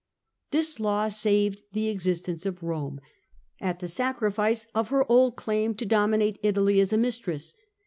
This law saved the existence of Rome, at the sacrifice of her old claim to dominate Italy as a mistress.